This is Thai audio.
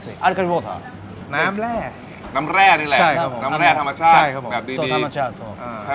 ก็คืออย่างที่บอกแป้งเอามาจากที่นู่นแล้ว